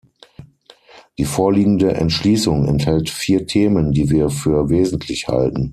Die vorliegende Entschließung enthält vier Themen, die wir für wesentlich halten.